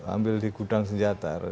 ambil di gudang senjata